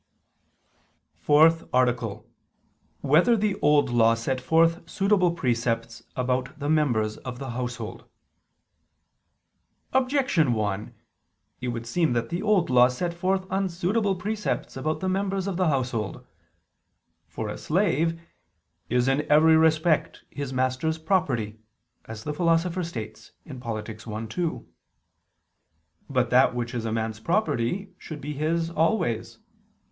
________________________ FOURTH ARTICLE [I II, Q. 105, Art. 4] Whether the Old Law Set Forth Suitable Precepts About the Members of the Household? Objection 1: It would seem that the Old Law set forth unsuitable precepts about the members of the household. For a slave "is in every respect his master's property," as the Philosopher states (Polit. i, 2). But that which is a man's property should be his always.